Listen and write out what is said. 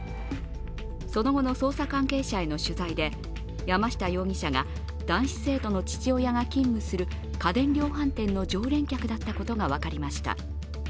その後の捜査関係者への取材で、山下容疑者が男子生徒の父親が勤務する家電量販店の常連客だったことが分かりました。